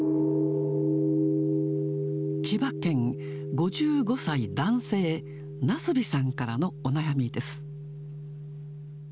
千葉県５５歳男性、ナスビさんからのお悩みです。